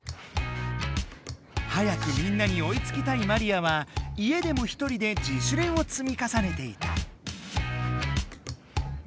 早くみんなにおいつきたいマリアは家でもひとりで自主練を積み重ねていた！